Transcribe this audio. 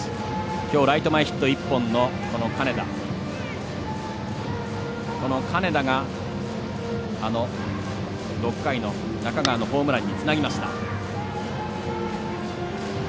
きょう、ライト前１本のこの金田が６回の中川のホームランにつなぎました。